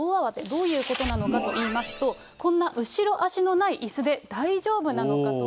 どういうことなのかといいますと、こんな後ろ足のないいすで大丈夫なのかと。